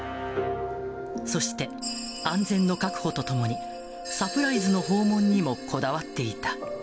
そして、安全の確保とともにサプライズの訪問にもこだわっていた。